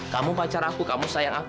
kamu pacar aku kamu sayang aku